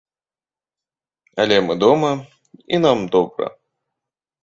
Але мы дома, і нам добра.